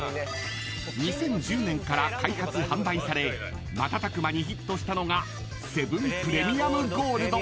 ［２０１０年から開発販売され瞬く間にヒットしたのがセブンプレミアムゴールド］